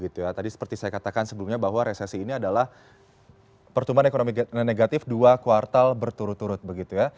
tadi seperti saya katakan sebelumnya bahwa resesi ini adalah pertumbuhan ekonomi negatif dua kuartal berturut turut begitu ya